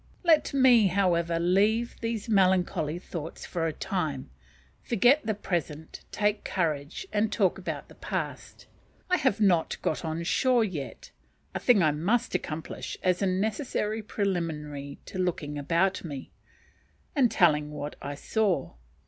Let me, however, leave these melancholy thoughts for a time, forget the present, take courage, and talk about the past. I have not got on shore yet; a thing I must accomplish as a necessary preliminary to looking about me, and telling what I saw.